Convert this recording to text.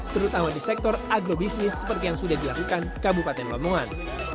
terutama di sektor agrobisnis seperti yang sudah dilakukan kabupaten lamongan